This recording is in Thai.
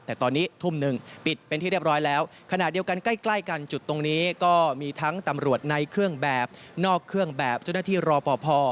แต่ตอนนี้ทุ่มหนึ่งปิดเป็นที่เรียบร้อยแล้วขณะเดียวกันใกล้ใกล้กันจุดตรงนี้ก็มีทั้งตำรวจในเครื่องแบบนอกเครื่องแบบเจ้าหน้าที่รอปภ